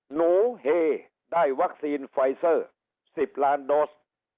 หนูเฮได้วัคซีนไฟเซอร์๑๐ล้านโดส